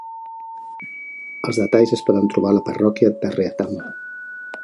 Els detalls es poden trobar a la parròquia de Greatham.